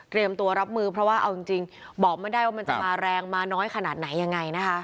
ตัวรับมือเพราะว่าเอาจริงบอกไม่ได้ว่ามันจะมาแรงมาน้อยขนาดไหนยังไงนะคะ